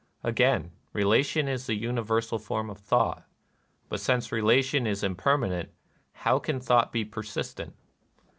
Again, relation is the universal form of thought ; but since relation is imper manent, how can thought be persistent